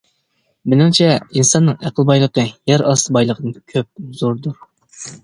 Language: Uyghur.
مېنىڭچە، ئىنساننىڭ ئەقىل بايلىقى يەر ئاستى بايلىقىدىن كۆپ زوردۇر.